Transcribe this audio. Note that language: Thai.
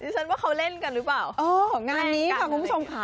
ฉันว่าเขาเล่นกันหรือเปล่าเอองานนี้ค่ะคุณผู้ชมค่ะ